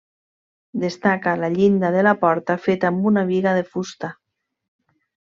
Destaca la llinda de la porta, feta amb una biga de fusta.